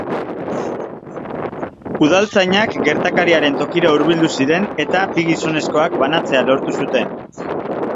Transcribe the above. Udaltzainak gertakariaren tokira hurbildu ziren eta bi gizonezkoak banatzea lortu zuten.